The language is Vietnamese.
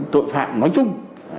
tội phạm nói chung